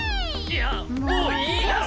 いやもういいだろ！